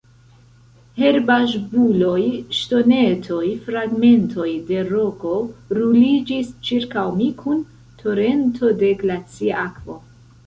Herbaĵbuloj, ŝtonetoj, fragmentoj de roko ruliĝis ĉirkaŭ mi kun torento de glacia akvo.